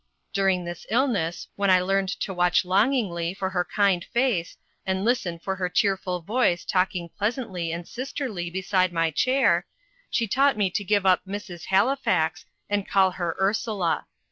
During this illness, when I learned to watch longingly for her kind face, and listen for her cheerful voice talking pleasantly and sisterly beside my chair, she taught me to give up "Mrs. Halifax," and call her Ursula.